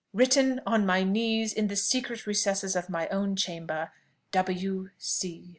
"Written on my knees in the secret recesses of my own chamber W. C."